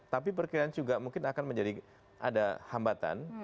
tapi perkiraan juga mungkin akan menjadi ada hambatan